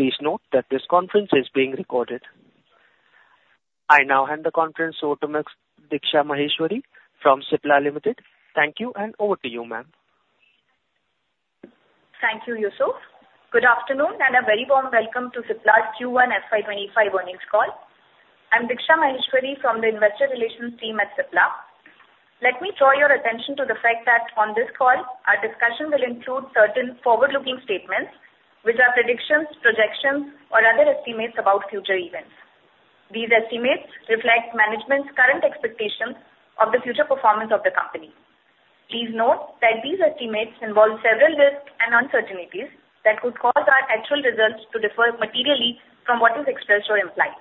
Please note that this conference is being recorded. I now hand the conference over to Ms. Diksha Maheshwari from Cipla Limited. Thank you. And over to you, ma'am. Thank you, Yusuf. Good afternoon and a very warm welcome to Cipla Q1 FY 2025 Earnings Call. I'm Diksha Maheshwari from the Investor Relations Team at Cipla. Let me draw your attention to the fact that on this call our discussion will include certain forward-looking statements which are predictions, projections or other estimates about future events. These estimates reflect management's current expectations of the future performance of the company. Please note that these estimates involve several risks and uncertainties that could cause our actual results to differ materially from what is expressed or implied.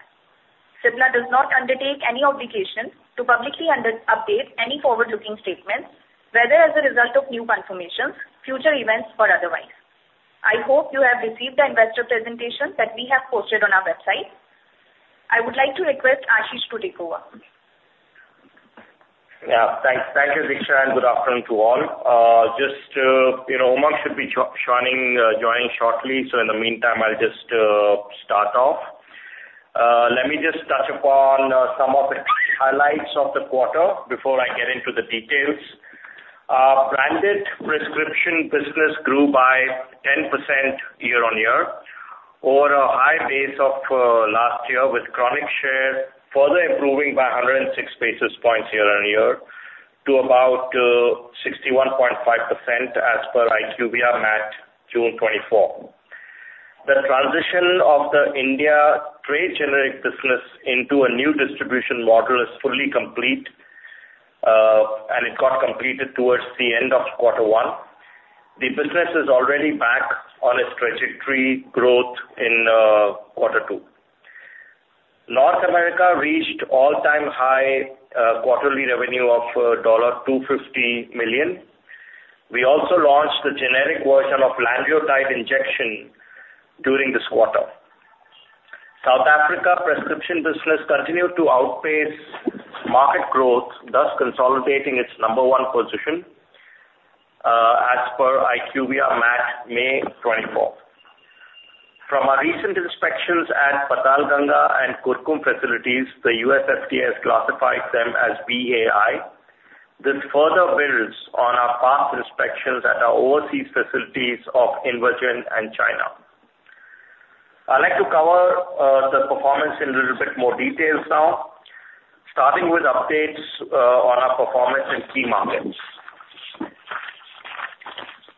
Cipla does not undertake any obligation to publicly update any forward-looking statements whether as a result of new confirmations, future future events or otherwise. I hope you have received the investor presentation that we have posted on our website. I would like to request Ashish to take over. Yeah, thanks. Thank you, Diksha, and good afternoon to all. Just. You know, Umang should be joining shortly, so in the meantime I'll just start off. Let me just touch upon some of the highlights of the quarter before I get into the details. Our branded prescription business grew by 10% year-on-year over a high base of last year with chronic share further improving by 106 basis points year-on-year to about 61.5% as per IQVIA MAT June 2024. The transition of the India trade generic business into a new distribution model is fully complete and it got completed towards the end of quarter one. The business is already back on its trajectory. Growth in quarter two. North America reached all-time high quarterly revenue of $250 million. We also launched the generic version of Lanreotide injection. During this quarter, South Africa prescription business continued to outpace market growth, thus consolidating its number one position as per IQVIA MAT May 24th. From our recent inspections at Patalganga and Kurkumbh facilities, the U.S. FDA has classified them as VAI. This further builds on our past inspections at our overseas facilities of InvaGen and China. I'd like to cover the performance in a little bit more details now, starting with updates on our performance in key markets.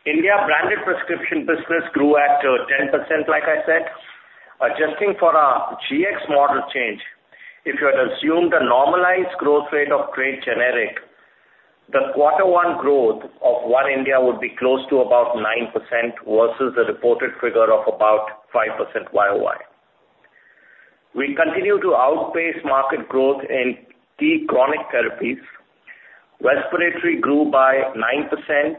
India branded prescription business grew at 10%. Like I said, adjusting for our GX model change. If you had assumed a normalized growth rate of trade generic, the quarter 1 growth in India would be close to about 9% versus the reported figure of about 5%. YoY we continue to outpace market growth in key chronic therapies. Respiratory grew by 9%.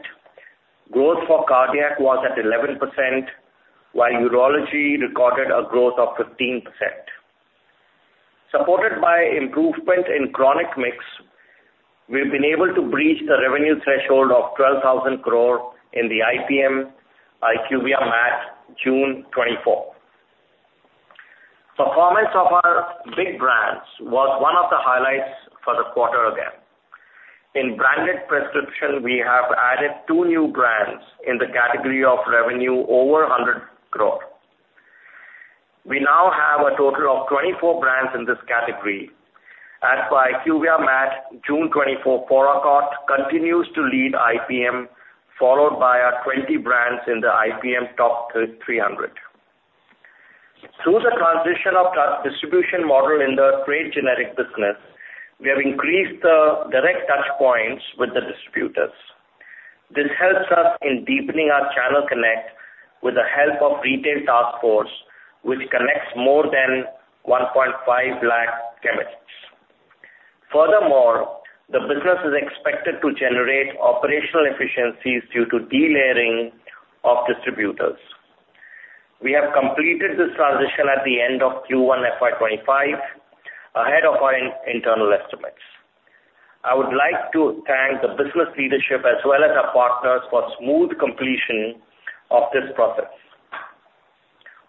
Growth for cardiac was at 11% while urology recorded a growth of 15% supported by improvement in chronic mix. We've been able to breach the revenue threshold of 12,000 crore in the IPM IQVIA MAT June 2024 performance of our big brands was one of the highlights for the quarter. Again in branded prescription we have added two new brands in the category of. Revenue over 100 crore. We now have a total of 24 brands in this category as per IQVIA MAT June 2024, which continues to lead IPM followed by our 20 brands in the IPM top 300. Through the transition of distribution model in the trade generic business, we have increased the direct touch points with the distributors. This helps us in deepening our channel connect with the help of retail task force which connects more than 150,000 chemists. Furthermore, the business is expected to generate operational efficiencies due to delayering of distributors. We have completed this transition at the end of Q1 FY 2025 ahead of our internal estimates. I would like to thank the business leadership as well as our partners for smooth completion of this process.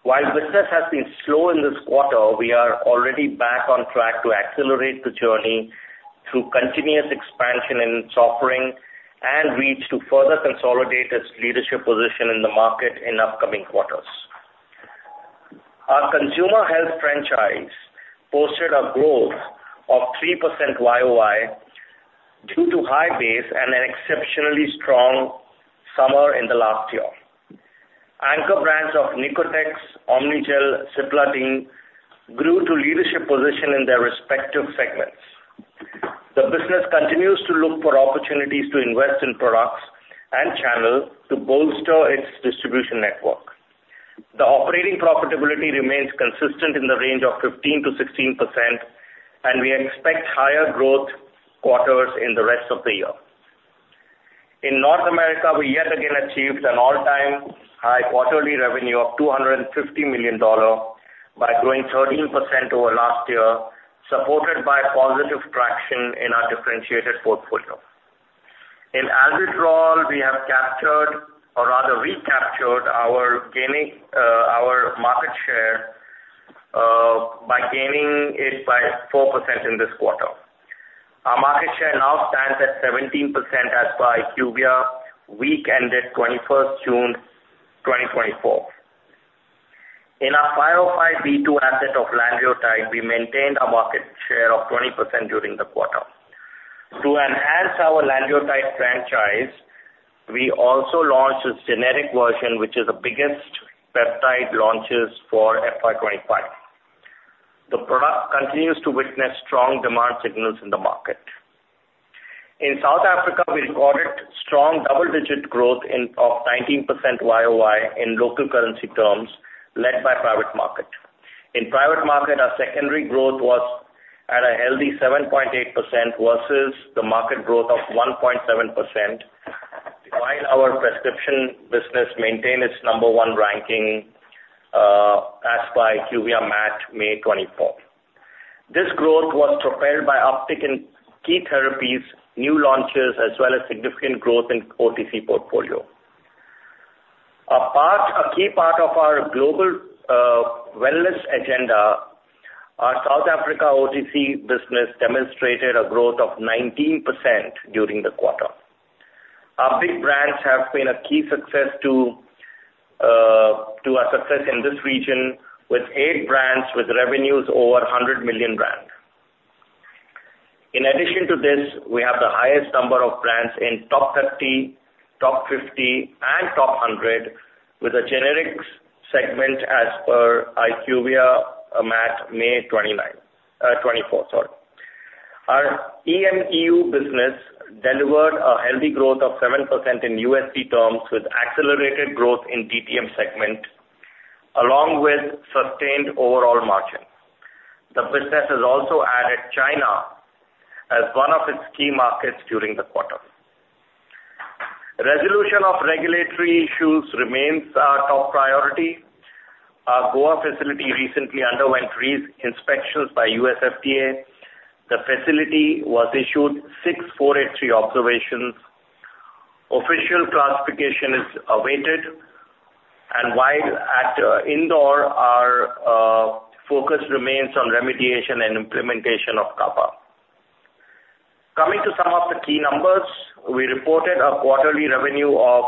While business has been slow in this quarter, we are already back on track to accelerate the journey through continuous expansion in its offering and reach to further consolidate its leadership position in the market in upcoming quarters. Our consumer health franchise posted a growth of 3% YoY due to high base and an exceptionally strong summer in the last year. Anchor brands of Nicotex, OmniGel, Cipladine grew to leadership position in their respective segments. The business continues to look for opportunities to invest in products and channel to bolster its distribution network. The operating profitability remains consistent in the range of 15%-16% and we expect higher growth quarters in the rest of the year. In North America we yet again achieved an all-time high quarterly revenue of $250 million by growing 13% over last year. Supported by positive traction in our differentiated portfolio in Albuterol, we have captured or rather recaptured our market share by gaining it by 4% in this quarter. Our market share now stands at 17% as per Acuvia week ended 21 June 2024. In our 505(b)(2) asset of Lanreotide, we maintained our market share of 20% during the quarter. To enhance our Lanreotide franchise, we also launched its generic version which is the biggest peptide launches for FY25. The product continues to witness strong demand signals in the market. In South Africa we recorded strong double digit growth of 19% YoY in local currency terms led by private market. In private market our secondary growth was at a healthy 7.8% versus the market growth of 1.7% while our prescription business maintained its number one ranking as per IQVIA MAT May 2024. This growth was propelled by uptick in key therapies, new launches as well as significant growth in OTC portfolio, a key part of our global wellness agenda. Our South Africa OTC business demonstrated a growth of 19% during the quarter. Our big brands have been a key. Success to. Our success in this region with eight brands with revenues over 100 million rand. In addition to this, we have the highest number of brands in top 30, top 50, and top 100 with a generic segment as per IQVIA MAT 5/29/2024 our EM EU business delivered a healthy growth of 7% in USD terms with accelerated growth in DTM segment along with sustained overall margin. The business has also added China as one of its key markets during the quarter. Resolution of regulatory issues remains our top priority. Our Goa facility recently underwent reinspections by U.S. FDA. The facility was issued six 483 observations. Official classification is awaited and while at Indore our focus remains on remediation and implementation of CAPA. Coming to some of the key numbers, we reported a quarterly revenue of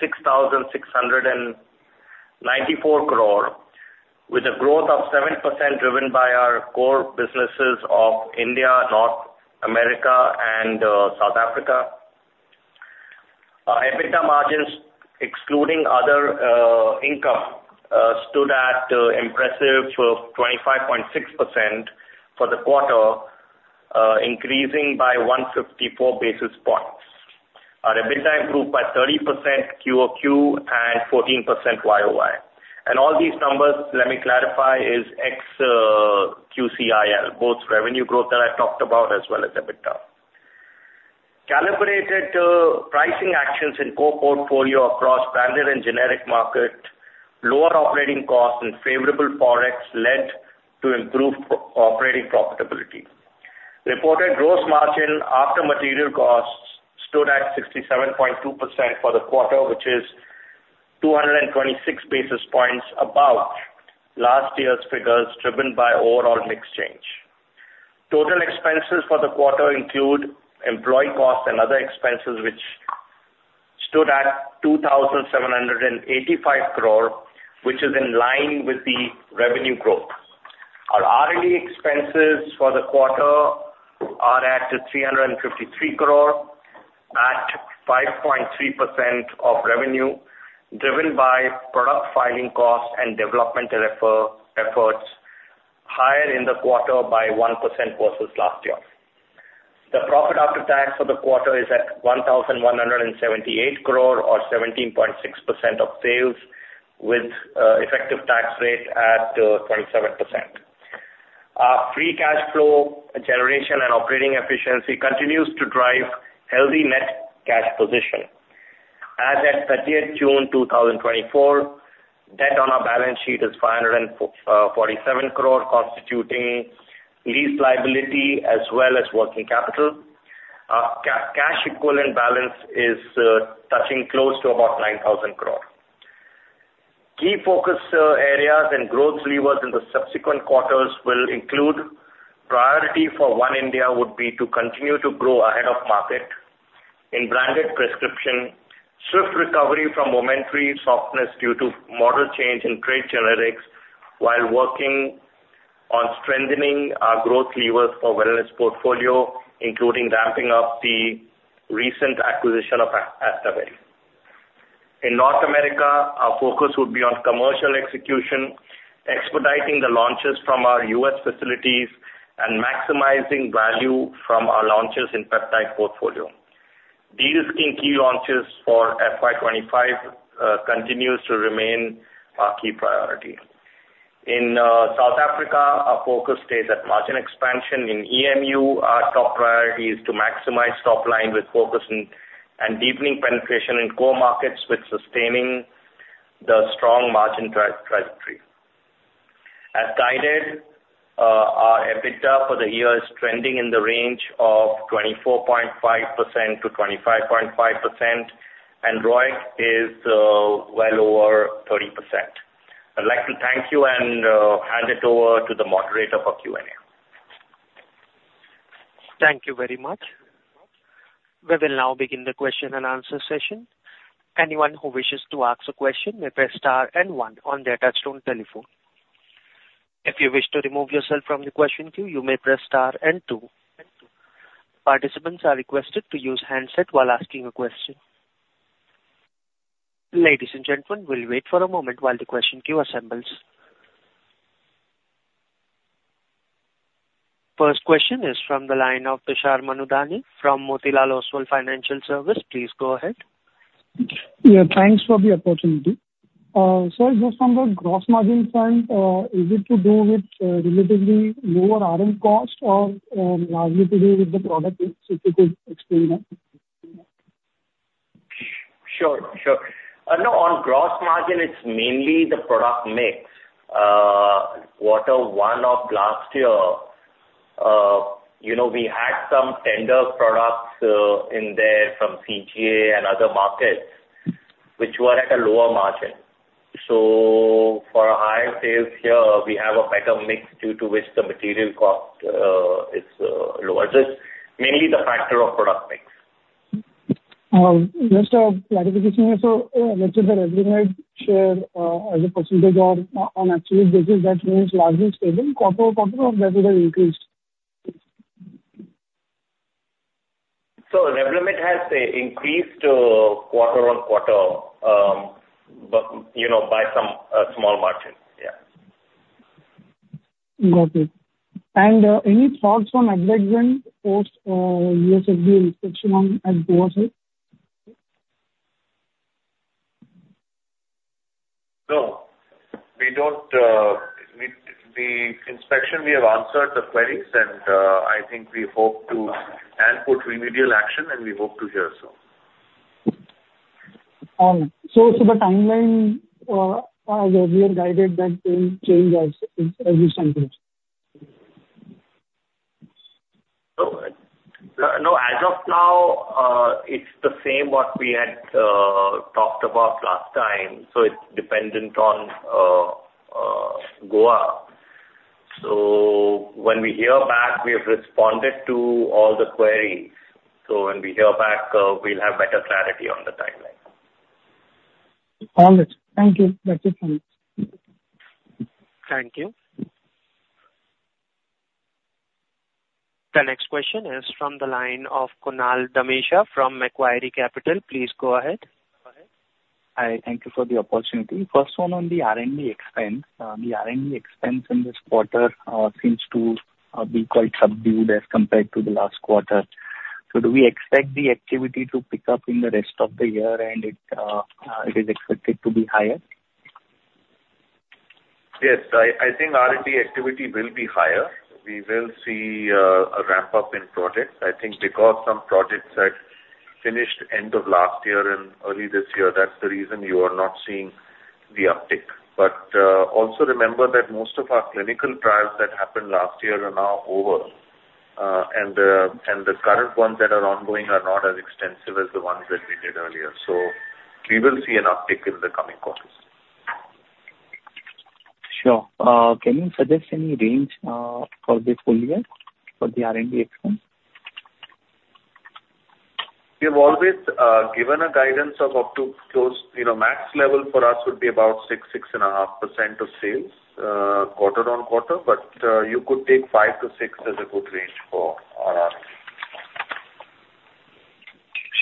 6,694 crore with a growth of 7% driven by our core businesses of India, North America and South Africa. EBITDA margins excluding other income stood at impressive 25.6% for the quarter increasing by 154 basis points. Our EBITDA improved by 30% QoQ and 14% YoY and all these numbers let me clarify is ex QCIL both revenue growth that I talked about as well as EBITDA calibrated pricing actions in core portfolio across branded and generic market. Lower operating costs and favorable forex led to improved operating profitability. Reported gross margin after material costs stood at 67.2% for the quarter which is 226 basis points above last year's figures driven by overall mix change. Total expenses for the quarter include employee costs and other expenses which stood at 2,785 crore which is in line with the revenue growth. Our R and D expenses for the quarter are at 353 crore at 5.3% of revenue driven by product filing costs and development referral efforts higher in the quarter by 1% versus last year. The profit after tax for the quarter is at 1,178 crore or 17.6% of sales with effective tax rate at 27% free cash flow generation and operating efficiency continues to drive healthy net cash position. As at 30 June 2024, debt on our balance sheet is 547 crore, constituting lease liability as well as working capital. Our cash equivalent balance is touching close to about 9,000 crore. Key focus areas and growth levers in the subsequent quarters will include priority, for one, India would be to continue to grow ahead of market in branded prescription, swift recovery from momentary softness due to model change in trade generics while working on strengthening our growth levers for wellness portfolio including ramping up the recent acquisition of Astaberry in North America. Our focus would be on commercial execution, expediting the launches from our U.S. facilities and maximizing value from our launches in peptide portfolio. De-risking key launches for FY25 continues to remain our key priority in South Africa. Our focus stays at margin expansion in EMU. Our top priority is to maximize top line with focus and deepening penetration in core markets with sustaining the strong margin trajectory as guided. Our EBITDA for the year is trending in the range of 24.5%-25.5% and ROIC is well over 30%. I'd like to thank you and hand it over to the moderator for Q and A. Thank you very much. We will now begin the question and answer session. Anyone who wishes to ask a question may press star one on their touch-tone telephone. If you wish to remove yourself from the question queue, you may press star two. Participants are requested to use handset while asking a question. Ladies and gentlemen, we'll wait for a moment while the question queue assembles. First question is from the line of Tushar Manudhane from Motilal Oswal Financial Services. Please go ahead. Yeah, thanks for the opportunity sir. Just on the gross margin front, is it to do with relatively lower RM cost or largely to do with the product mix? If you could explain it. Sure, sure. No, on gross margin it's mainly the product mix Q4 of last year, you know we had some tender products in there from CGA and other markets which were at a lower margin. So for a higher sales here we have a better mix due to which the material cost is lower. Mainly the factor of product mix. As a percentage or on an absolute basis. That remains largely stable. Quarter of that would have increased. So. Revlimid has increased quarter-on-quarter but you know, by some small margin. Yeah. Any thoughts on advertising post U.S. inspection? No, we don't. The inspection we have answered the queries and I think we hope to and put remedial action and we hope to hear soon. So the timeline as earlier guided, that change as you stand? No, as of now it's the same what we had talked about last time. So it's dependent on Goa. So when we hear back we have responded to all the queries. So when we hear back we'll have better clarity on the timeline. Thank you. That's it. Thank you. The next question is from the line of Kunal Dhamesha from Macquarie Capital. Please go ahead. Hi. Thank you for the opportunity. First one on the R and D expense. The R and D expense in this quarter seems to be quite subdued as compared to the last quarter. So do we expect the activity to pick up in the rest of the year and it is expected to higher? Yes, I think R&D activity will be higher. We will see a ramp up in projects I think because some projects had finished end of last year and early this year. That's the reason you are not seeing the uptick. But also remember that most of our clinical trials that happened last year are now over and the current ones that are ongoing are not as extreme extensive as the ones that we did earlier. So we will see an uptick in the coming quarters. Sure. Can you suggest any range for this full year for the R&D expense? We have always given a guidance of up to close, you know max level for us would be about 6, 6.5% of sales quarter-on-quarter but you could take 5%-6% as a good range for. All right.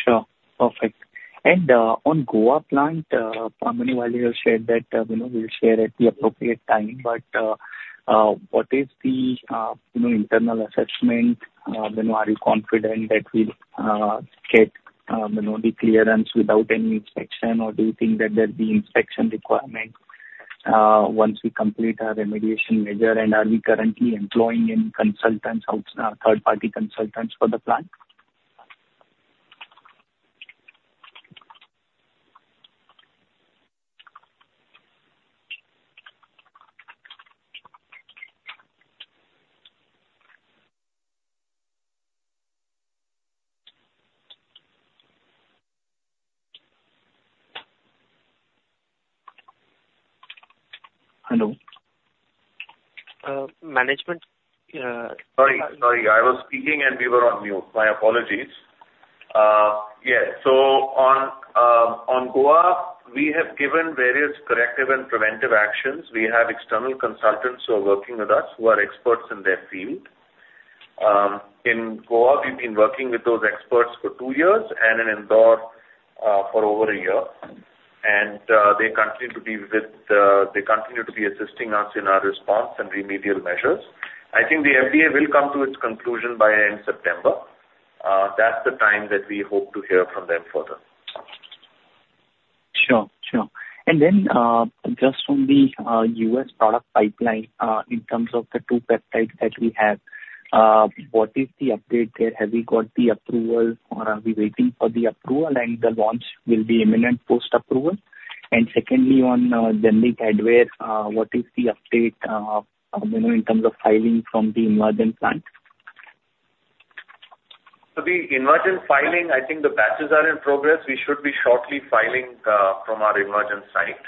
Sure, perfect. And on the Goa plant, you said that, you know, we'll share at the appropriate time, but what is the, you know, internal assessment then? Are you confident that we get the clearance without any inspection or do you think that there'll be inspection requirement once we complete our remediation measure? And are we currently employing any consultants, third party consultants for the plant IT? Management. Sorry, I was speaking and we were on mute. My apologies. Yes. So on Goa we have given various corrective and preventive actions. We have external consultants who are working with us who are experts in their field. In Goa we've been working with those experts for two years and in Indore for over a year and they continue to be with. They continue to be assisting us in our response and remedial measures. I think the FDA will come to its conclusion by end September. That's the time that we hope to hear from them further. Sure, sure. And then just from the U.S. product pipeline in terms of the two sites that we have, what is the update there? Have we got the approval or are we waiting for the approval and the launch will be imminent post approval. And secondly on generic Advair what is the update in terms of filing from the Indore plant? The ANDA filing? I think the batches are in progress. We should be shortly filing from our Indore site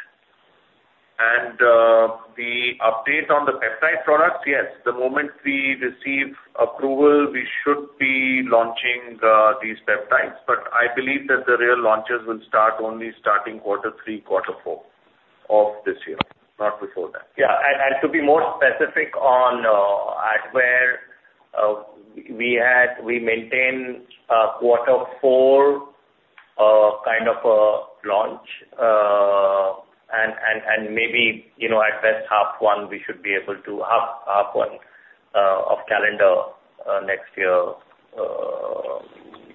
and the update on the peptide products? Yes, the moment we receive approval we should be launching these peptides. But I believe that the real launches will start only starting quarter three, quarter four of this year, not before that. Yeah, and to be more specific on Advair, we had, we maintain quarter four kind of a launch and maybe, you know, at best H1. We should be able to have half. One of calendar next year.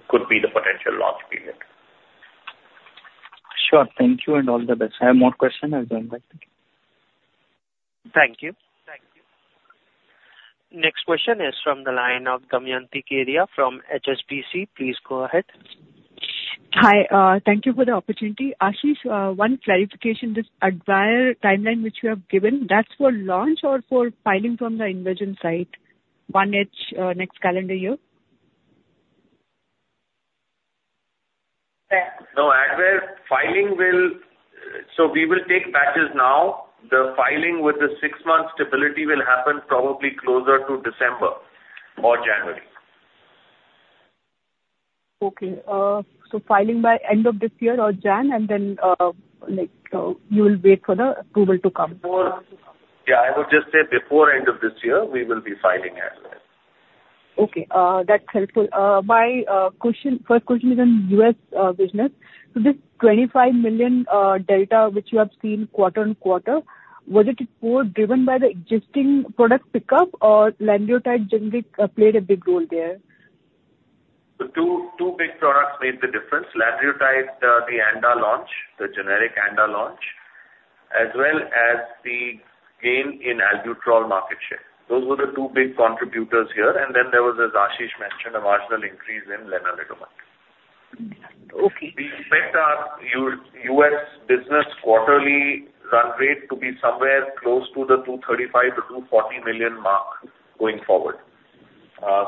Could be the potential launch period. Sure. Thank you and all the best. I have more questions, I'll go back to. Thank you. Next question is from the line of Damayanti Kerai from HSBC. Please go ahead. Hi, thank you for the opportunity. Ashish, one clarification. This Advair timeline which you have given, that's for launch or for filing from the InvaGen site in next calendar year? No ANDA filing will. So we will take batches now. The filing with the six-month stability will happen probably closer to December or January. Okay, so filing by end of this year or Jan and then like you will wait for the approval to come? Yeah, I would just say before end of this year we will be filing. Okay, that's helpful. My first question is in U.S. business so this $25 million delta which you have seen quarter-over-quarter was it more driven by the existing product pickup or Lanreotide generally played a big role there. The two, two big products made the difference. Lanreotide, the ANDA launch, the generic ANDA launch as well as the gain in albuterol market share, those were the two big contributors here. And then there was as Ashish mentioned a marginal increase in Lenalidomide. We expect our U.S. business quarterly run rate to be somewhere close to the $235 million-$240 million mark going forward.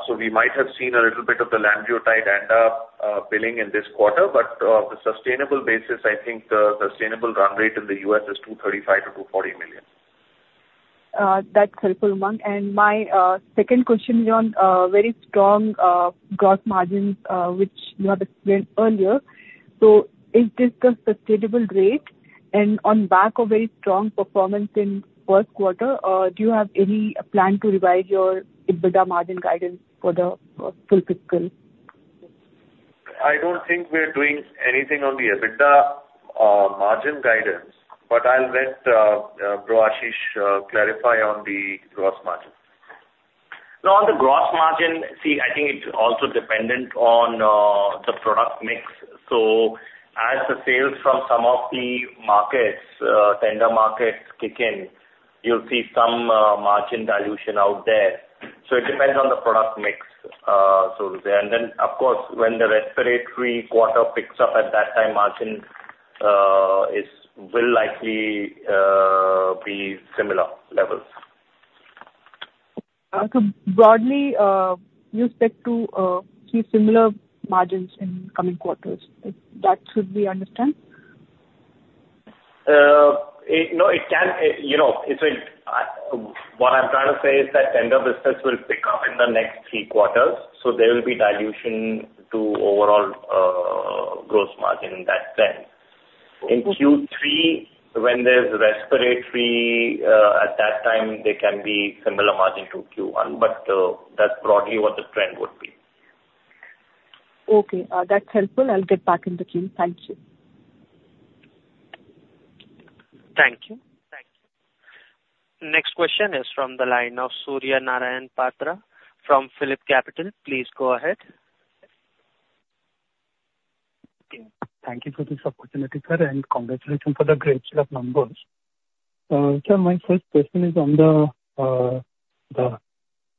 So we might have seen a little bit of the Lanreotide and up billing in this quarter. But the sustainable basis I think the sustainable run rate in the U.S. is $235 million-$240 million. That's helpful Umang. My second question is on very strong gross margins which you have explained earlier. Is this the sustainable rate and on back of very strong performance in first quarter do you have any plan to revise your EBITDA margin guidance for the full fiscal? I don't think we're doing anything on the EBITDA margin guidance, but I'll let Ashish clarify on the gross margin. Now on the gross margin, see I think it's also dependent on the product mix. So as the sales from some of the markets, tender markets kick in you'll see some margin dilution out there. So it depends on the product mix so to say. And then of course when the respiratory quarter picks up at that time margin will likely be similar levels. Broadly, you expect to see similar margins in coming quarters? That, should we understand? No, it can. You know what I'm trying to say is that tender business will pick up in the next three quarters. So there will be dilution to overall gross margin in that sense in Q3 when there's respiratory at that time there can be similar margin to Q1 but that's broadly what the trend would be. Okay, that's helpful. I'll get back in the queue. Thank you. Thank you. Next question is from the line of Surya Narayan Patra from PhillipCapital. Please go ahead. Thank you for this opportunity, sir, and congratulations for the great set of numbers. Sir, my first question is on the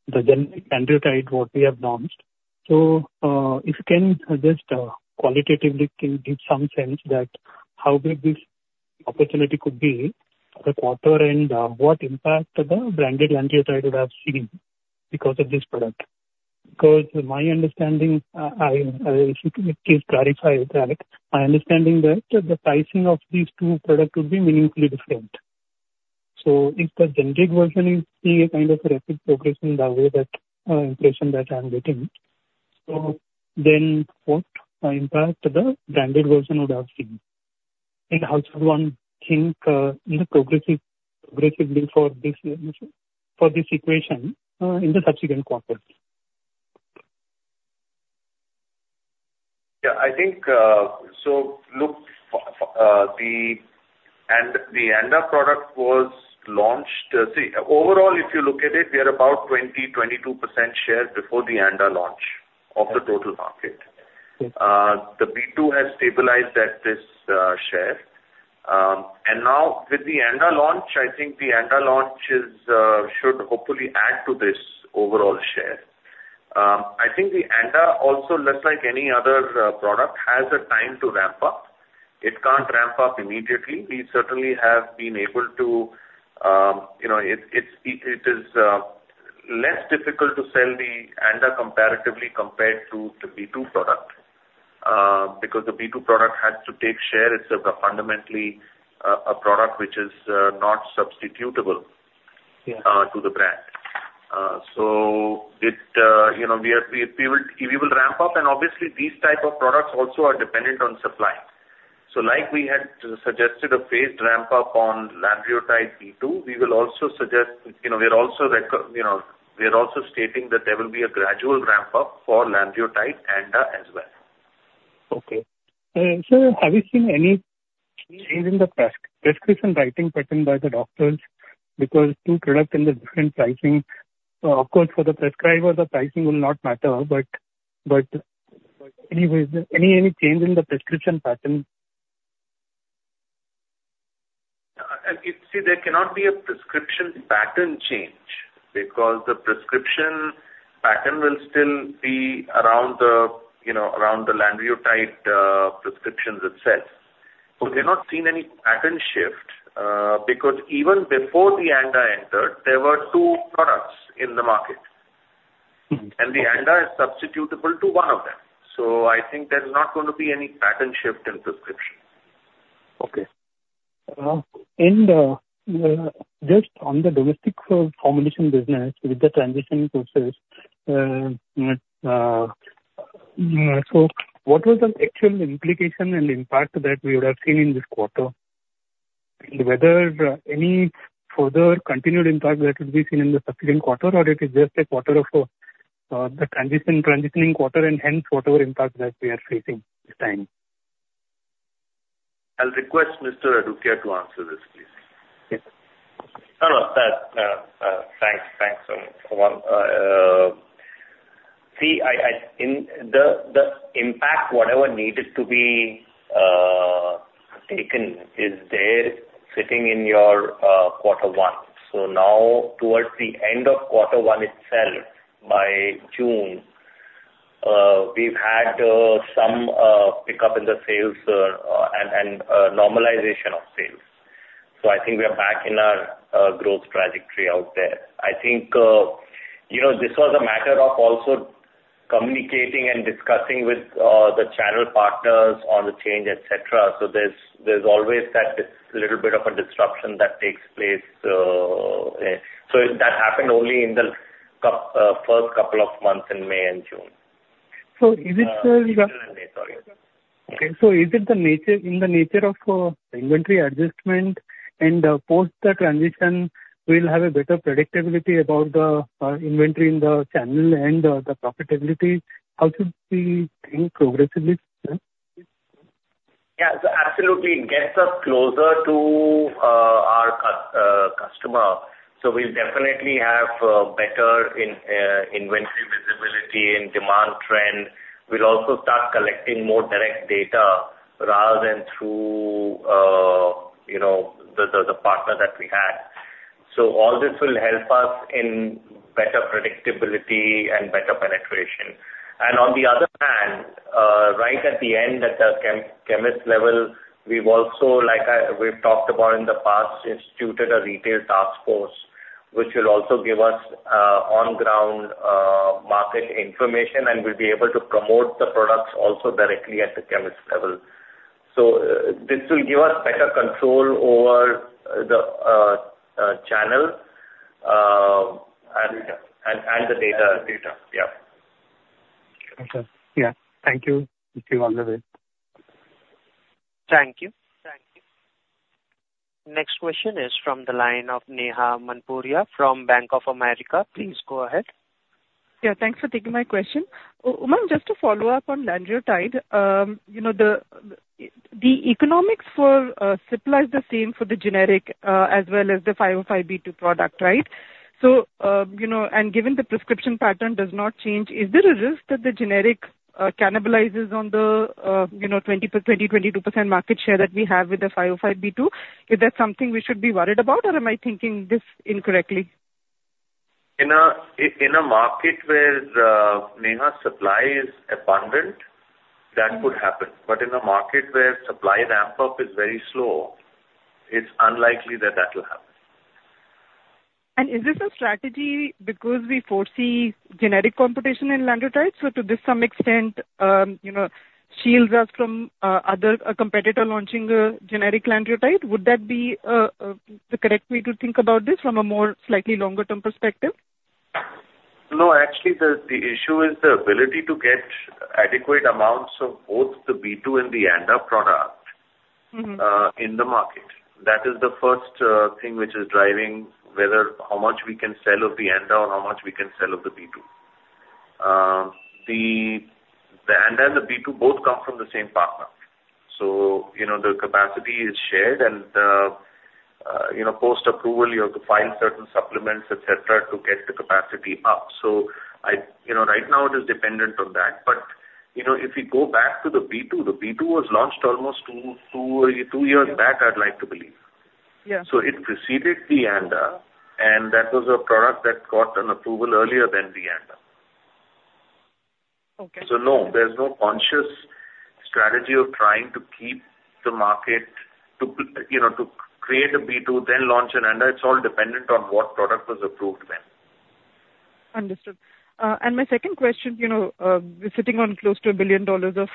generic Liraglutide what we have launched. So if you can just qualitatively give some sense of how big this opportunity could be this quarter and what impact the branded antidiabetic would have seen because of this product. Because my understanding, please clarify that my understanding that the pricing of these two products would be meaningfully different. So if the generic version is seeing a kind of rapid progress in the way, the impression that I'm getting. So then what impact the branded version would have seen and how should one think progressively for this, for this equation in the subsequent quarters? Yeah, I think so. Look, the ANDA product was launched. See, overall, if you look at it, we are about 20%-22% share before the ANDA launch of the total market. The B2 has stabilized at this share, and now with the ANDA launch, I think the ANDA launch should hopefully add to this overall share. I think the ANDA also looks like any other product has a time to ramp up. It can't ramp up immediately. We certainly have been able to, you know, it's. It is less difficult to sell the ANDA comparatively compared to the B2 product because the B2 product has to take share. It's fundamentally a product which is not substitutable to the brand. So we will ramp up, and obviously these type of products also are dependent on supply. So like we had suggested a phased ramp up on Lanreotide we will also suggest, you know, we are also, you know, we are also stating that there will be a gradual ramp up for Lanreotide and as well. Okay, so have you seen any change in the prescription writing pattern by the doctors? Because two product in the different pricing. Of course for the prescriber the pricing will not matter. But anyways any change in the prescription pattern. See, there cannot be a prescription pattern change because the prescription pattern will still be around the Lanreotide prescriptions itself. You know, around the Lanreotide prescriptions itself. We have not seen any pattern shift because even before the ANDA entered there were two products in the market and the ANDA is substitutable to one of them. So I think there's not going to be any pattern shift in prescription. Okay. And just on the domestic formulation business with the transition process. So what was the actual implication and impact that we would have seen in this quarter? Whether any further continued impact that would be seen in the succeeding quarter or it is just a quarter of a transitioning quarter and hence whatever impact that. We are facing this time. I'll request Mr. Adukia to answer this please. Hello. Thanks. Thanks. See, I in the impact, whatever needed to be taken is there sitting in your quarter one. So now towards the end of quarter one itself by June we've had some pickup in the sales and normalization of sales. So I think we are back in our growth trajectory out there. I think, you know, this was a matter of also communicating and discussing with the channel partners on the change etc. So there's. There's always that little bit of a disruption that takes place. So that happened only in the first couple of months in May and June. So is it. Okay, so is it the nature of inventory adjustment and post the transition we'll have a better predictability about the inventory in the channel and the profitability? How should? Yeah, absolutely. It gets us closer to our customer. So we'll definitely have better inventory visibility and demand trend. We'll also start collecting more direct data rather than through, you know, the partner that we had. So all this will help us in better predictability and better penetration. And on the other hand, right at the end, at the chemist level we've also, like we've talked about in the past, instituted a retail task force which will also give us on ground market information and we'll be able to promote the products also directly at the chemist level. So this will give us better control over the channel and the data. Yeah. Yeah. Thank you. Thank you. Next question is from the line of Neha Manpuria from Bank of America. Please go ahead. Yeah, thanks for taking my question. Just to follow up on Lanreotide, you know the, the economics for Cipla is the same for the generic as well as the 505(b)(2) product. Right. So, you know, and given the prescription pattern does not change, is there a risk that the generic cannibalizes on the, you know, 20%-22% market share that we have with the 505(b)(2)? Is that something we should be worried about or am I thinking this incorrectly? In a market where NEHA supply is abundant, that could happen. But in a market where supply ramp up is very slow, it's unlikely that that will happen. Is this a strategy? Because we foresee generic competition in Lanreotide. So to some extent, you know, shields us from other competitor launching a generic Lanreotide. Would that be the correct way to think about this from a slightly longer term perspective? No, actually the issue is the ability to get adequate amounts of both the B2 and the ANDA product in the market. That is the first thing which is driving whether how much we can sell of the ANDA or how much we can sell of the B2. The ANDA and the B2 both come from the same partner. So you know, the capacity is shared and you know, post approval you have to file certain supplements, etc., to get the capacity up. So I, you know, right now it is dependent on that. But you know, if we go back to the B2, the B2 was launched almost two years back, I'd like to believe. Yeah, so it preceded the ANDA and that was a product that got an approval earlier than the ANDA. Okay. So no, there's no conscious strategy of trying to keep the market, you know, to create a 505(b)(2) then launch an ANDA and it's all dependent on what product was approved when, understood. My second question, you know, sitting on close to $1 billion of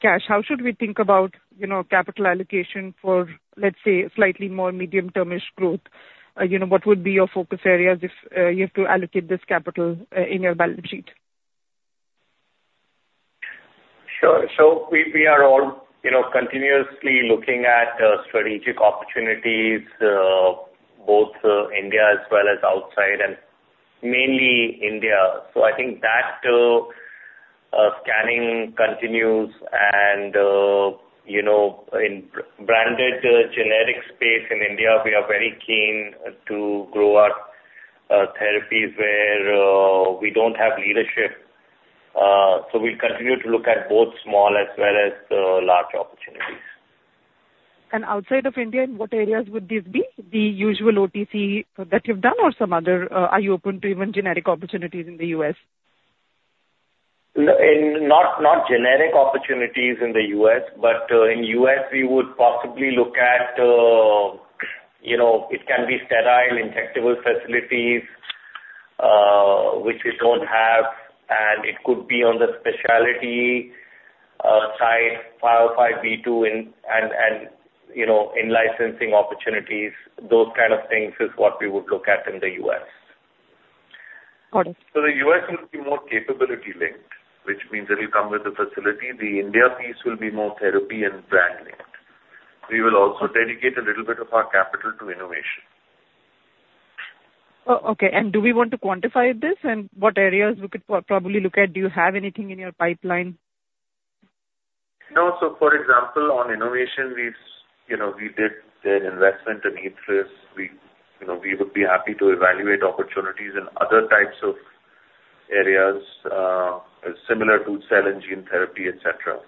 cash, how should we think about, you know, capital allocation for let's say slightly more medium termish growth? You know, what would be your focus areas if you have to allocate this capital in your balance sheet? Sure. So we are all, you know, continuously looking at strategic opportunities, both India as well as outside and mainly India. So I think that scanning continues and you know, in branded generics space in India we are very keen to grow in therapies where we don't have leadership. So we continue to look at both small as well as large opportunities. Outside of India in what areas? Would this be the usual OTC that you've done or some other? Are you open to even generic opportunities in the US? Not generic opportunities in the U.S. but in U.S. we would possibly look at it. It can be sterile injectable facilities. Which. We don't have and it could be on the specialty side, 505(b)(2) and you know, in licensing opportunities, those kind of things is what we would look. And in the U.S. So the U.S. will be more capability linked, which means it will come with the facility. The India piece will be more therapy and brand linked. We will also dedicate a little bit of our capital to innovation. Okay, and do we want to quantify this and what areas we could probably look at? Do you have anything in your pipeline? No. So for example on innovation we, you know we did an investment in Ethris. We, you know we would be happy to evaluate opportunities in other types of areas similar to cell and gene therapy, etc.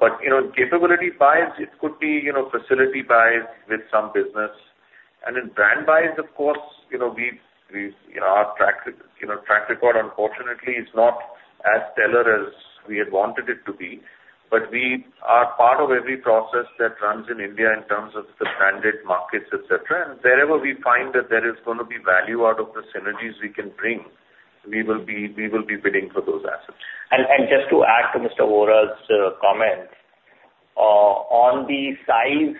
But in capability buys it could be facility buys with some business and in brand buys, of course our track record unfortunately is not as stellar as we had wanted it to be. But we are part of every process that runs in India in terms of the branded markets etc. And wherever we find that there is going to be value out of the synergies we can bring, we will be bidding for those assets. Just to add to Mr. Vohra's comments on the size,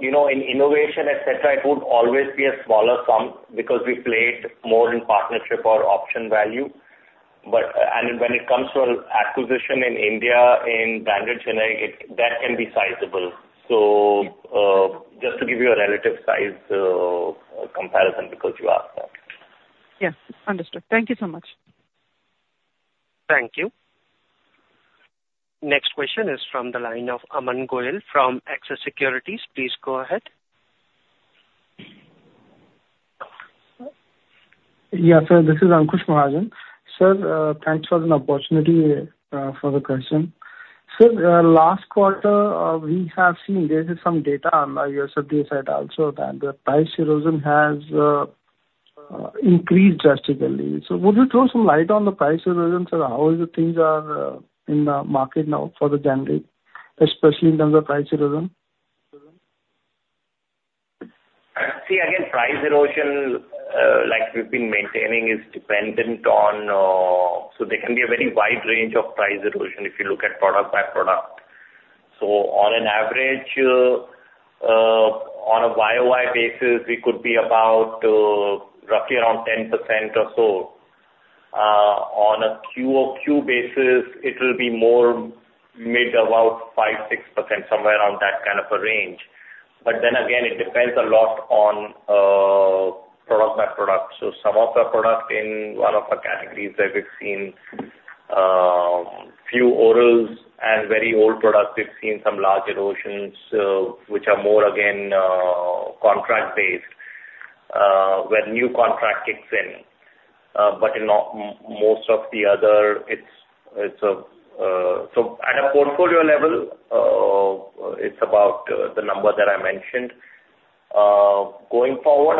you know, in innovation etc. It would always be a smaller sum because we played more in partnership or option value. But and when it comes to acquisition in India in Bandra, Chennai, that can be sizable. So just to give you a relative size comparison because you are. Yes, understood. Thank you so much. Thank you. Next question is from the line of Aman Goyal from Axis Securities. Please go ahead. Yes, this is Ankush Mahajan, sir. Thanks for the opportunity for the question. Sir, last quarter we have seen there is some data on your sub d side also that the price erosion has increase drastically. So would you throw some light on the price erosion, how things are in the market now for January, especially in terms of price erosion. See, again, price erosion like we've been maintaining is dependent on. So there can be a very wide range of price erosion if you look at product by product. So on an average on a YoY basis we could be about roughly around 10% or so. On a QoQ basis it will be more mid about 5%-6% somewhere around that kind of a range. But then again it depends a lot on product by product. So some of the product in one. Of our categories that we've seen. Few orals and very old product we've seen some large erosions which are more again contract based where new contract kicks in but in most of the other. So at a portfolio level it's about the number that I mentioned going forward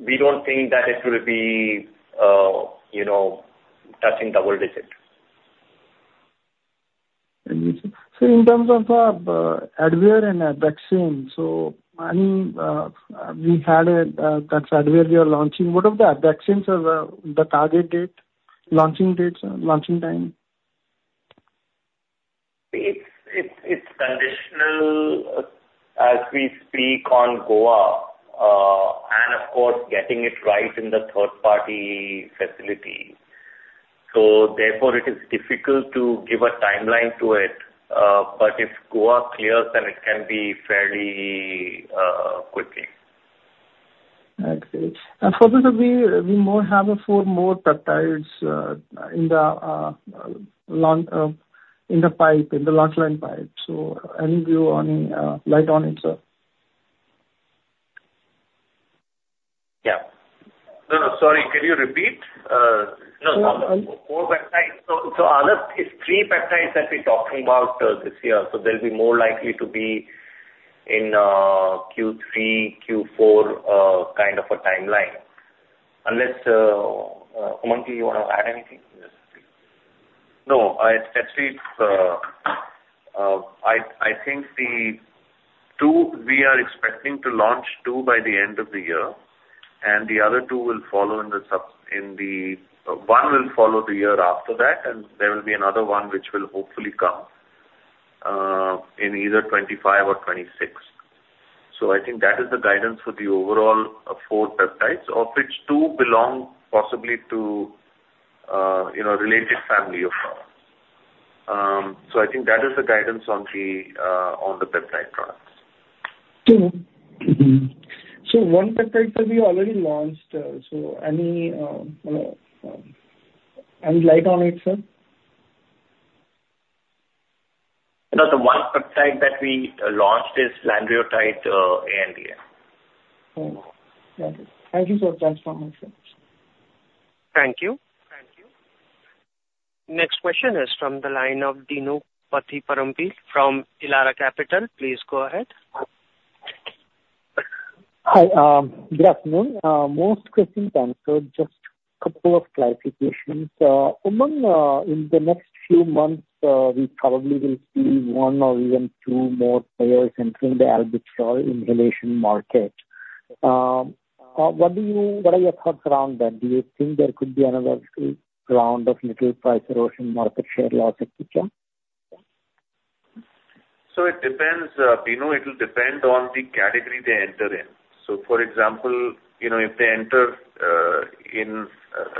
we don't think that it will be. You know, touching double digit. So in. terms of Advair and AB, so I mean we had that where we are launching what of the absence of the target date, launching dates, launching time? It's conditional as we speak on Goa and of course getting it right in the third party facility so therefore it is difficult to give a timeline to it but if Goa clears then it can be fairly quickly. We have four more peptides in the pipeline. So any view on timeline itself? Yeah, no, no, sorry. Can you repeat? It's three peptides that we're talking about this year, so they'll be more likely to be in Q3, Q4 kind of a timeline unless Umang, you want to add anything? No, actually it's. I think the two we are expecting to launch two by the end of the year and the other two will follow in the one will follow the year after that and there will be another one which will hopefully come in either 2025 or 2026. So I think that is the guidance for the overall four peptides of which two belong possibly to you know related family of. So I think that is the guidance on the, on the peptide products. So. On peptides that we already launched, so any light on it, sir? The one type that we launched is Lanreotide and. Thank you for transformation. Thank you. Next question is from the line of Bino Pathiparampil from Elara Capital. Please go ahead. Hi, good afternoon. Most questions answered, just a couple of clarifications. In the next few months we probably. We'll see one or even two more players entering the Albuterol inhalation market. What are your thoughts around that? Do you think there could be another? Round of little price erosion, market share loss, etc. So it depends, it will depend on the category they enter in. So for example, you know, if they enter in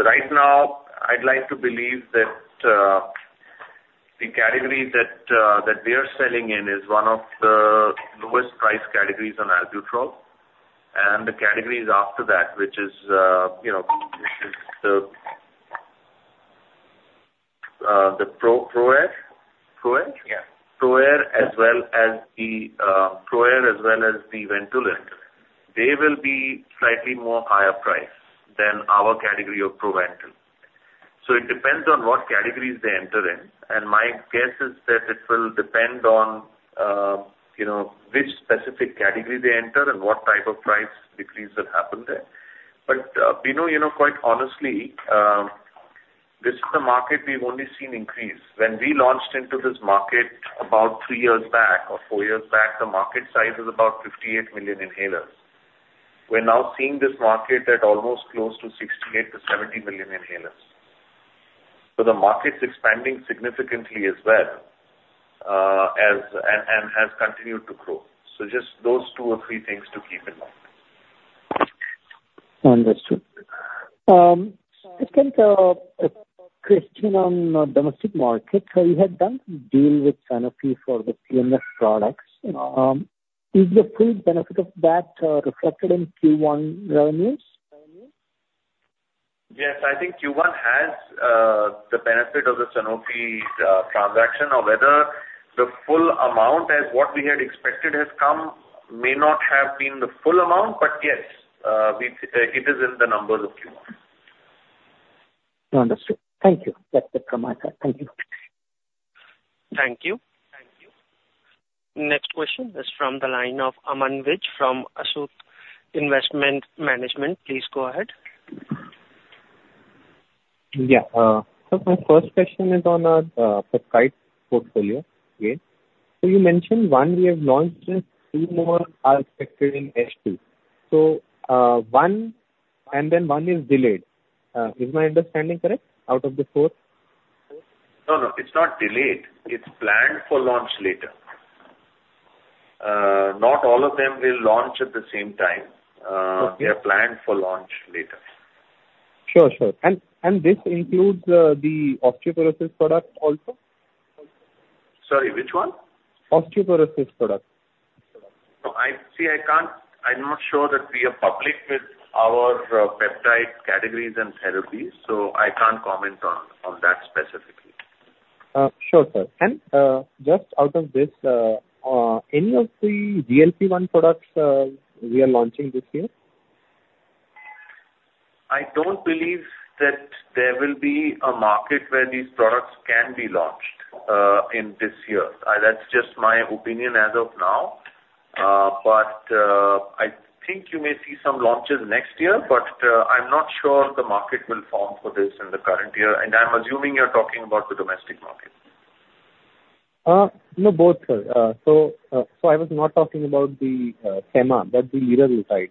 right now I'd like to believe that the category that we are selling in is one of the lowest price categories on albuterol and the categories after that which is you know. The ProAir as well as the ProAir as well as the Ventolin they will be slightly more higher price than our category of Proventil. So it depends on what categories they enter in and my guess is that it will depend on which specific category they enter and what type of price decrease that happen there. But quite honestly, this is the market we've only seen increase when we launched into this market about three years back or four years back. The market size is about 58 million inhalers. We're now seeing this market at almost close to 60-70 million inhalers. So the market's expanding significantly as well and has continued to grow. So just those two or three things to keep in mind. Understood. Second question, on domestic market, you had. Done deal with Sanofi for the CMS products. Is the full benefit of that reflected in Q1 revenues? Yes, I think Q1 has the benefit of the Sanofi transaction or whether the full amount as what we had expected has come may not have been the full amount. But yes, it is in the numbers of Q1. Understood, thank you. That's it from my side. Thank you. Thank you. Next question is from the line of Aman Vij from Astute Investment Management. Please go ahead. Yeah, my first question is on our portfolio. You mentioned one, we have launched. Two more are expected in H2. One and then one is delayed. Is my understanding correct out of the fourth? No, no, it's not delayed. It's planned for launch later. Not all of them will launch at the same time. We are planned for launch later. Sure, sure. And this includes the osteoporosis product also. Sorry, which one? Osteoporosis product. I see. I can't. I'm not sure that we are public with our peptide categories and therapies, so I can't comment on that specifically. Sure, sir. Just out of this, any of the GLP-1 products we are launching this year? I don't believe that there will be a market where these products can be launched in this year. That's just my opinion as of now. But I think you may see some launches next year. But I'm not sure the market will form for this in the current year. And I'm assuming you're talking about the domestic market. No, both, sir. So I was not talking about the SEMA but the Liraglutide.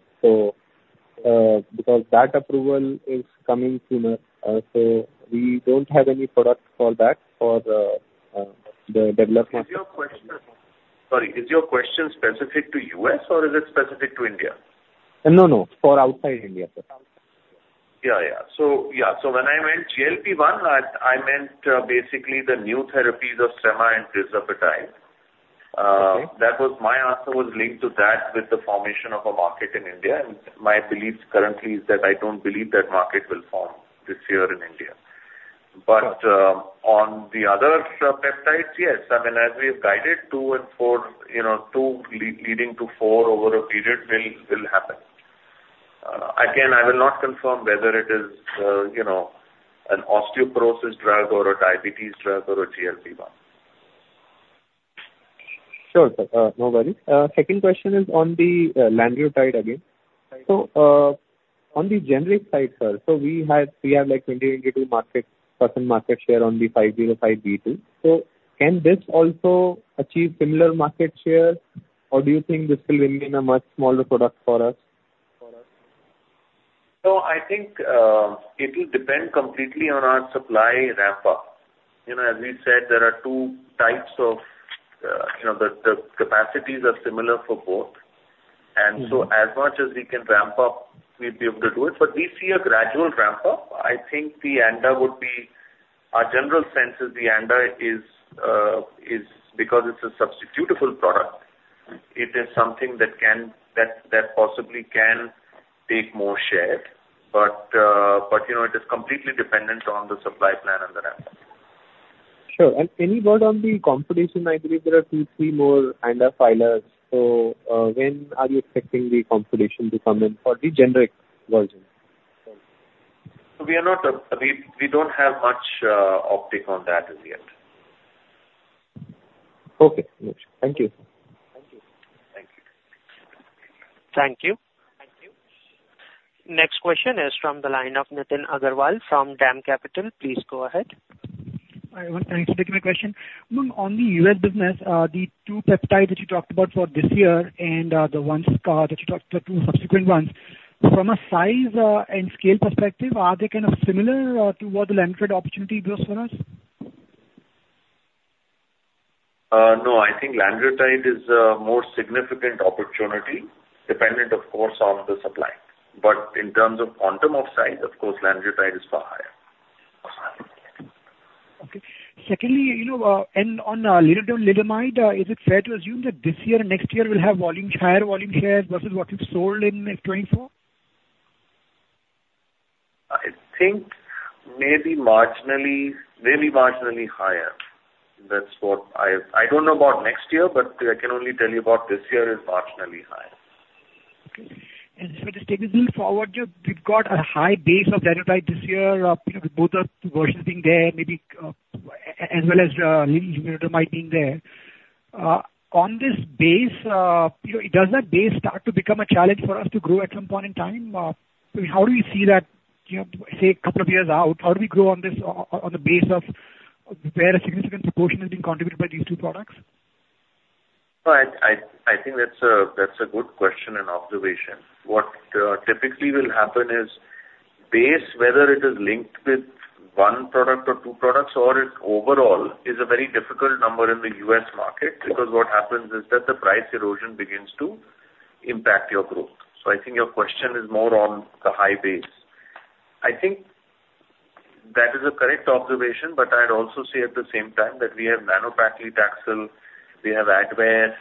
Because that approval is coming sooner. So we don't have any product fallback for. Is your question specific to us or is it specific to India? No, no, for outside India. Yeah, yeah. So, yeah. So when I went GLP-1, I meant basically the new therapies of semaglutide and diabetes. That was my answer was linked to that with the formation of a market in India. And my beliefs currently is that I don't believe that market will this year in India. But on the other peptides. Yes, I mean as we have guided 2 and 4, you know, 2 leading to 4 over a period will happen again. I will not confirm whether it is, you know, an osteoporosis drug or a diabetes drug or a GLP-1. Sure, no worries. Second question is on the Lanreotide again. So on the generic side sir, so. We have like 20%-22% market share on the 505(b)(2). Can this also achieve similar market share or do you think this will remain a much smaller product for us? No, I think it will depend completely on our supply ramp up. You know, as we said there are two types of, you know, the capacities are similar for both and so as much as we can ramp up we'd be able to do it. But we see a gradual ramp up. I think the ANDA would be. Our general sense is the ANDA is because it's a substitutable product. It is something that can, that possibly can take more share but you know, it is completely dependent on the supply plan and the rand. Sure. Any word on the competition? I believe there are 2, 3 more and a filer. So when are you expecting the competition to come in for the generic version? We are not. We don't have much optic on that as yet. Okay, thank you. Thank you. Next question is from the line of Nitin Agarwal from DAM Capital. Please go ahead. Thanks for taking my question on the U.S. business. The two peptides that you talked about for this year and the ones that you talked to, the two subsequent ones from a size and scale perspective, are they kind of similar to what the Lanreotide opportunity was for us? No, I think Lanreotide is a more significant opportunity dependent, of course, on the supply. But in terms of contract upside, of course Lanreotide is far higher. Secondly, you know, and on little is it fair to assume that this year, next year will have volume higher volume shares versus what you've sold in FY24? I think maybe marginally. Maybe marginally higher. That's what I, I don't know about next year but I can only tell you about this year is marginal. If I just take this forward, we've got a high base of Dulaglutide this year. Both the versions being there maybe as well as being there on this base. You know, does that base start to become a challenge for us? To grow at some point in time. How do we see that, you know, say a couple of years out? How do we grow on this? On the base of where a significant proportion is being contributed by these two products? I think that's a good question and observation. What typically will happen is base, whether it is linked with one product or two products or overall is a very difficult number in the US market because what happens is that the price erosion begins to impact your growth. So I think your question is more on the high base. I think that is a correct observation. But I'd also say at the same time that we have nano-paclitaxel, we have Advair,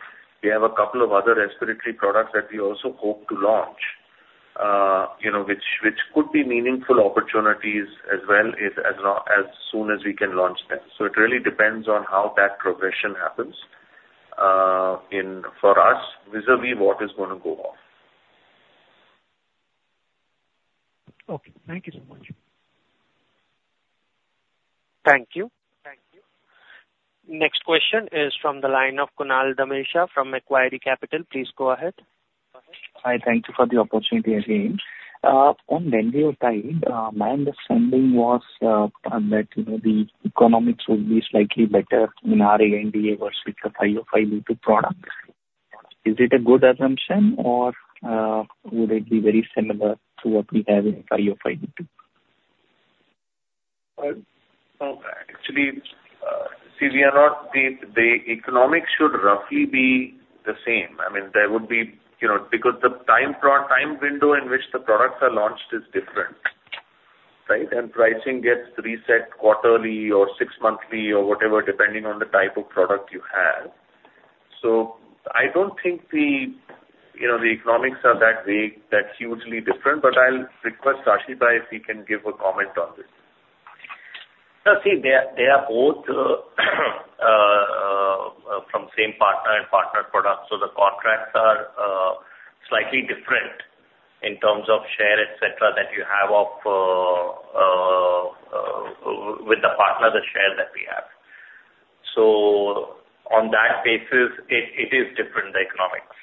we have a couple of other respiratory products that we also hope to launch, which could be meaningful opportunities as well, as soon as we can launch them. So it really depends on how that progression happens for us vis a vis what is going to go off. Okay, thank you so much. Thank you. Thank you. Next question is from the line of Kunal Dhamesha from Macquarie Capital. Please go ahead. Hi. Thank you for the opportunity again. On Lanreotide, my understanding was that the economics would be slightly better in ANDA vs. 505(b)(2). Is it a good assumption or would it be very similar to what we have in ANDA? Actually, see, we are not. The economics should roughly be the same. I mean there would be, you know, because the time window in which the products are launched is different. Right. And pricing gets reset quarterly or six monthly or whatever, depending on the type of product you have. So I don't think the, you know, the economics are that vague, that hugely different. But I'll request Ashish, if he can give a comment on this. See, they are both from same partner and partner products. So the contracts are slightly different in terms of share, etc. That you have of with the partner. The share that we have. So on that basis it is different, the economics,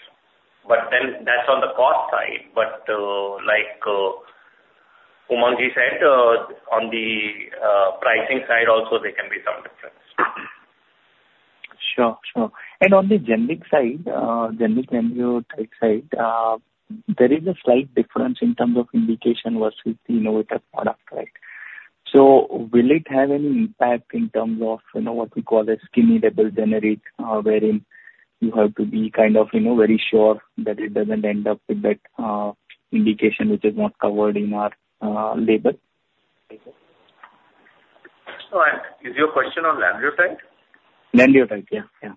but then that's on the cost side. But like Umang said, on the pricing side also there can be some difference. Sure, sure. On the generic side, generic environment, there is a slight difference in terms of indication versus the innovative product. Right. So will it have any impact in terms of, you know, what we call a skinny label, generic, wherein you have to be kind of, you know, very sure that it doesn't end up with that indication which is not covered in our label? Is your question on Lanreotide? Lanreotide, yes. Yeah,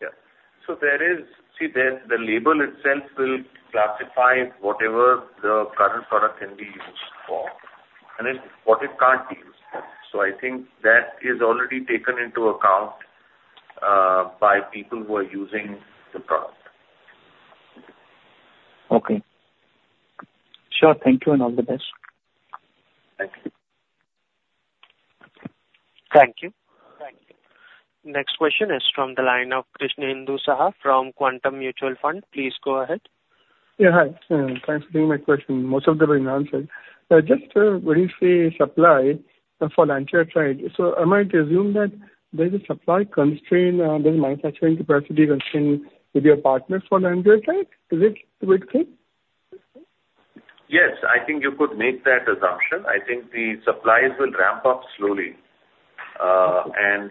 yeah. There is. See there, the label itself will classify whatever the current product can be used for and what it can't be used. I think that is already taken into account by people who are using the product. Okay, sure. Thank you. And all the best. Thank you. Thank you. Next question is from the line of Krishnendu Saha from Quantum Mutual Fund. Please go ahead. Yeah, hi, thanks for taking my question. Most of them answered just what is the supply for Lanreotide? So I might assume that there's a supply constraint, there's manufacturing capacity constraint with your partners for Lanreotide, is it? Yes, I think you could make that assumption. I think the supplies will ramp up slowly and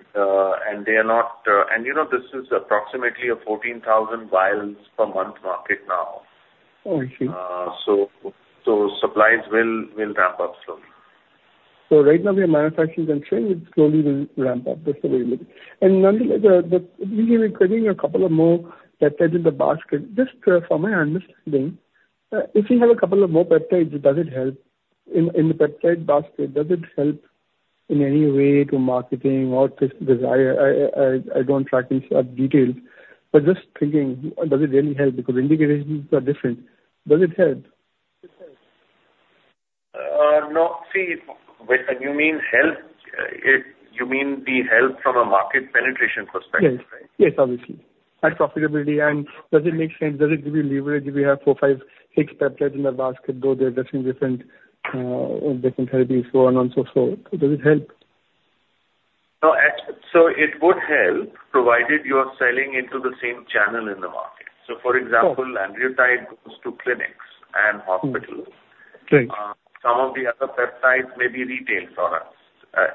they are not. And you know this is approximately a 14,000 vials per month market now. So supplies will ramp up slowly. So right now we are manufacturing and Semaglutide slowly will ramp up. That's the way. And we are creating a couple of more in the basket. Just for my understanding, if you have a couple of more peptides, does it help in the peptide basket? Does it help in any way to marketing or pricing? I don't track in details but just thinking, does it really help? Because indications are different. Does it help? No, see, you mean help. If you mean the help from a market penetration perspective. Yes, obviously. Profitability. Does it make sense? Does it give you leverage? If you have 4, 5, 6 peptides in the basket, though they're dressing different therapies, so on and so forth, does it help? So it would help provided you are selling into the same channel in the market. So for example, Lanreotide goes to clinics and hospitals. Some of the other peptides may be retail sort of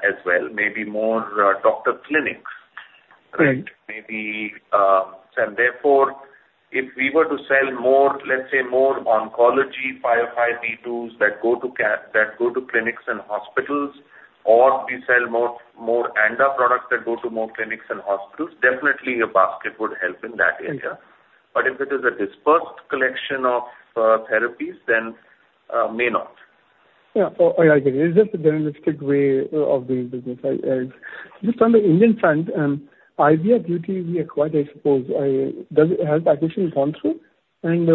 as well, maybe more doctor clinics. And therefore if we were to sell more, let's say more oncology, 505(b)(2)s that go to clinics and hospitals or we sell more ANDA products that go to more clinics and hospitals, definitely a basket would help in that area. But if it is a dispersed collection of therapies, then may not. Yeah, it's just a generalized way of doing business just on the Indian front. And Ivia Beaute we acquired, I suppose. Has that acquisition gone through and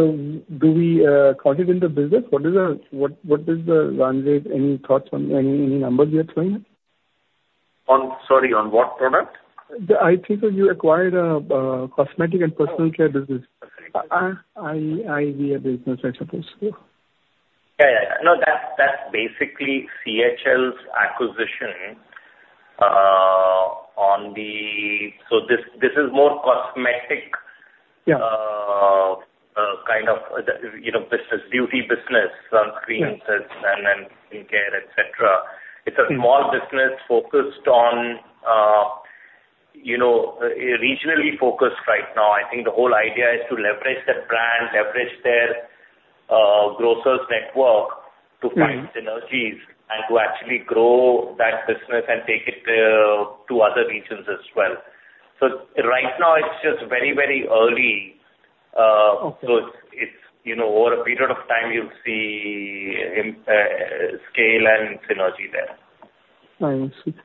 do we cost it in the business? What is the run rate? Any thoughts on any numbers you're throwing around? Sorry, on what product? I think you acquired a cosmetic and personal care business. Business, I suppose. Yeah, no, that's basically CHL's acquisition on the. So this, this is more cosmetic. Kind. It's a, you know, beauty business. Sunscreen and skincare, etc. It's a small business focused on, you know, regionally focused. Right now I think the whole idea is to leverage that brand, leverage their grocers' network to find synergies and to actually grow that business and take it to other regions as well. So right now it's just very, very early. So it's you know, over a period of time you'll see scale and synergy there.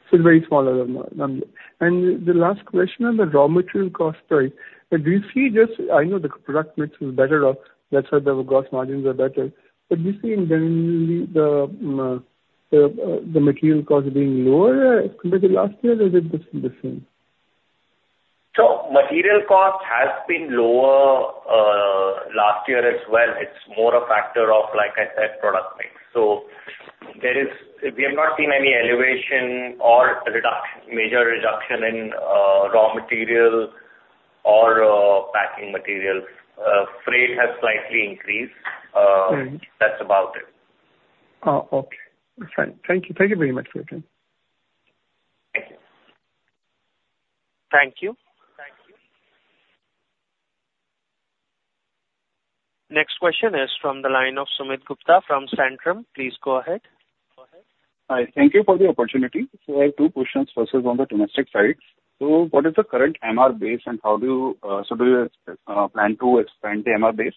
Still very smaller. The last question on the raw material cost price, do you see just. I know the product mix is better off, that's why the gross margins are better. But you see in general the material cost being lower compared to last year, is it the same? So material cost has been lower last year as well. It's more a factor of like I said, product mix. So there is, we have not seen any elevation or major reduction in raw material or packing material. Freight has slightly increased. That's about it. Okay, fine. Thank you. Thank you very much for your time. Thank you. Thank you. Next question is from the line of Sumit Gupta from Centrum. Please go ahead. Hi. Thank you for the opportunity. I have two questions. First is on the domestic side, so what is the current MR base and how do you, so do you plan to expand the MR base?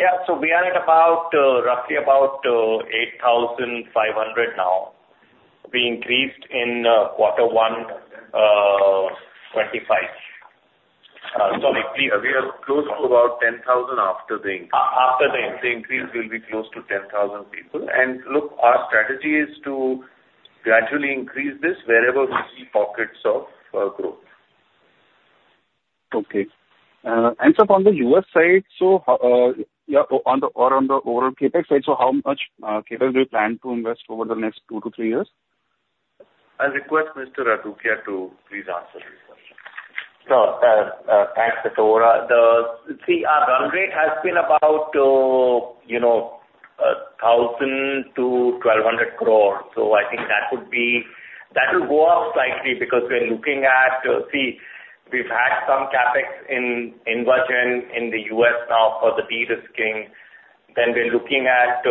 Yeah, so we are at about, roughly about 8,500 now. We increased in quarter 1 2025. Sorry, we are close to about 10,000. After the increase, will be close to 10,000 people. Look, our strategy is to gradually increase this wherever we see pockets of growth. Okay. And so from the US side, so yeah, on the, or on the overall CapEx side. So how much do you plan to invest over the next two to three years? I'll request Mr. Vohra to please answer this question. Thanks, Gupta. See, our run rate has been about, you know, 1,000 crore to 1,200 crore. So I think that would be, that will go up slightly because we're looking at, see, we've had some CapEx in the U.S. Now for the de-risking, then we're looking at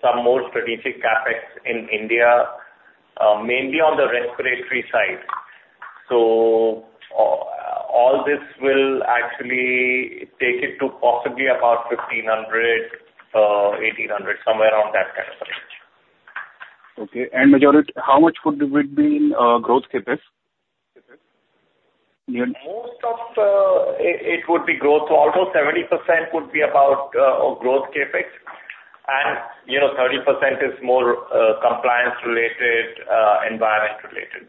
some more strategic CapEx in India mainly on the respiratory side. So all this will actually take it to possibly about 1,500 crore to 1,800 crore somewhere on. That kind of range. Okay. Majority, how much would be in growth capacity? It would be growth, although 70% would be about growth CapEx, and, you know, 30% is more compliance related, environment related.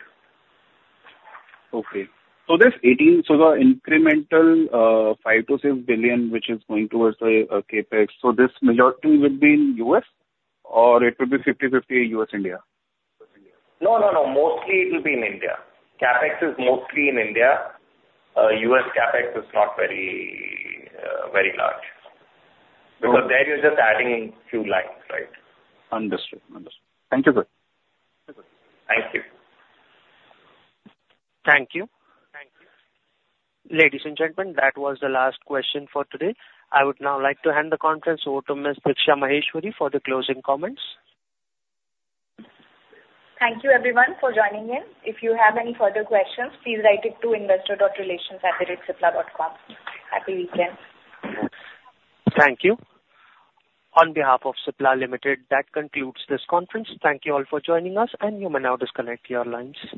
Okay, so this 18 so the incremental 5-6 billion which is going towards the CapEx. So this majority would be in U.S. or it would be 50-50 U.S. India? No, no, no, mostly it will be in India. CapEx is mostly in India. U.S. CapEx is not very very large because there you're just adding few lines. Right? Understood. Thank you sir. Thank you. Thank you. Ladies and gentlemen. That was the last question for today. I would now like to hand the conference over to Ms. Diksha Maheshwari for the closing comments. Thank you everyone for joining in. If you have any further questions, please write it to Investor Relations. Happy weekend. Thank you. On behalf of Cipla Limited. That concludes this conference. Thank you all for joining us. You may now disconnect your lines.